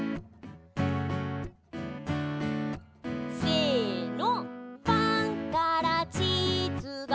せの。